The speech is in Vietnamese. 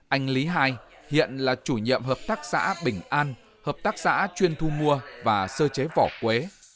anh lý hai hiện là chủ nhiệm hợp tác xã bình an hợp tác xã chuyên thu mua và sơ chế vỏ quế